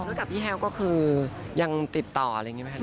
รู้จักกับพี่แฮลก็คือยังติดต่ออะไรอย่างนี้ไหมคะ